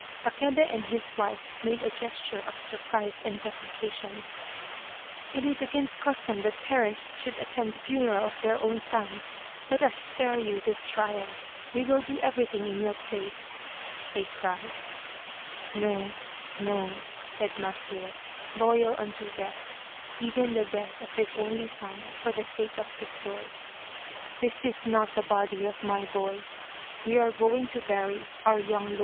Takebe and his wife made a gesture of surprise and deprecation. '' It is against custom that parents should attend the funeral of their own son. Let us spare you this trial we will do everything in your place !" they cried. " No, no," said Matsuo, loyal unto death, even the death of his only son for the sake of his lord, " this is not the body of my boy. We are going to bury our young lord !"* Yamabushi, a wandering priest.